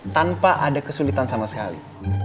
tanpa ada kesulitan sama sekali